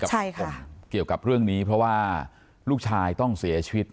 เกี่ยวกับเรื่องนี้เพราะว่าลูกชายต้องเสียชีวิต